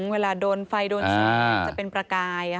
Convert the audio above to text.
เวลาโดนไฟโดนฉากจะเป็นประกาย